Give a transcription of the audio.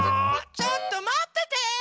ちょっとまってて！